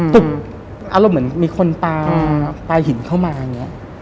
อารมณ์เหมือนมีคนปลาปลาหินเข้ามาอย่างนี้